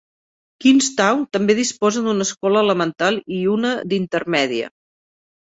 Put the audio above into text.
Knightstown també disposa d'una escola elemental i una d'intermèdia.